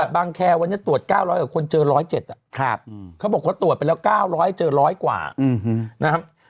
บางแคร์วันนี้ตรวจ๙๐๐กว่าคนเจอ๑๐๗เขาบอกว่าตรวจไปแล้ว๙๐๐เจอ๑๐๐กว่านะครับ